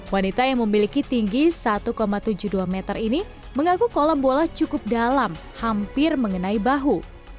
wanita yang memiliki tinggi satu tujuh puluh dua meter ini mengaku kolam bola cukup dalam hampir mengenai bahu